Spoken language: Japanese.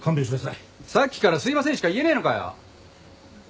さっきから「すいません」しか言えねえのかよ。